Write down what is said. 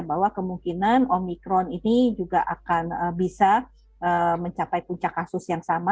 bahwa kemungkinan omikron ini juga akan bisa mencapai puncak kasus yang sama